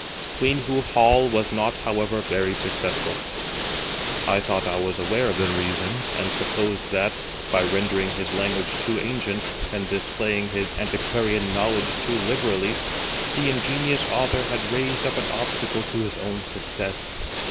Queenhoo Hall was not, however, very successful. I thought I was aware of the reason, and supposed that, by rendering his language too ancient, and displaying his antiquarian knowledge too liberally, the ingenious author had raised up an obstacle to his own success.